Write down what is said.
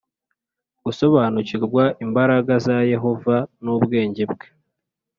gusobanukirwa imbaraga za Yehova n ubwenge bwe